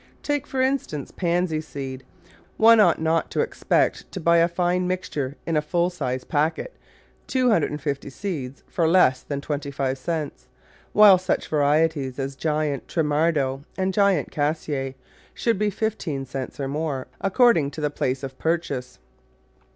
Take, for instance, Pansy seed : one ought not to expect to buy a fine mixture in a full size packet — two hundred and fifty seeds — for less than twenty five cents, while such varieties as Giant Trimardeau and Giant Cassier should be fifteen cents or more, according to the place 41 Digitized by Google 42 The Flower Garden [Chapter of purchase.